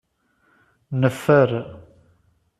Neffer.